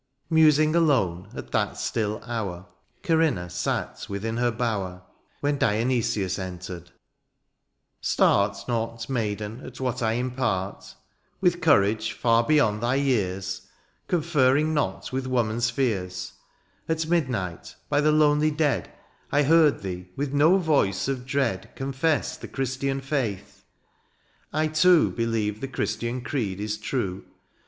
Musing alone, at that still hour, Corinna sate within her bower. When Dionysius entered. ^^ Start ^^ Not maiden at what I impart ;—^' With courage far beyond thy years, '* Conferring not with woman's fears ;—^^ At midnight, by the lonely dead, ^^ I heard thee with no voice of dread '^ Confess the Christian faith. I, too, ^' Believe the Christian creed is true.